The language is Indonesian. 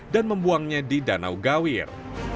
dan membuangnya di danau gawir